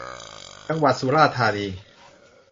จังหวัดสุราษฏร์ธานี